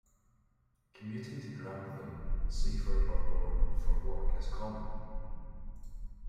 Commuting to Grantham, Sleaford or Bourne for work is common.